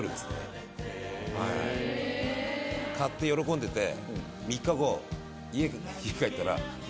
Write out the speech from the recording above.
買って喜んでて３日後家帰ったら。